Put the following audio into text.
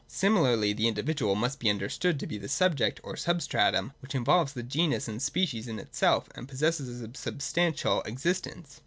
Similarly the individual must be understood to be a subject or substratum, which involves the genus and species in itself and possesses a substantial exist ence.